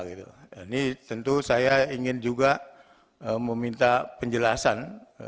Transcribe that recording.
ini tentu saya ingin juga meminta penjelasan